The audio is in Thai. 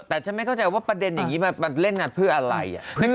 แต่ฉันไม่เข้าใจว่าประเด็นอย่างนี้มันเล่นกันเพื่ออะไร